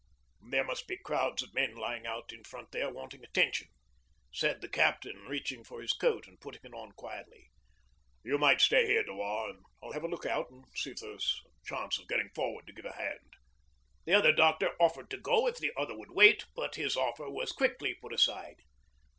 'There must be crowds of men lying out in front there wanting attention,' said the captain, reaching for his coat and putting it on quietly. 'You might stay here, Dewar, and I'll have a look out and see if there's a chance of getting forward to give a hand.' The other doctor offered to go if the other would wait, but his offer was quietly put aside.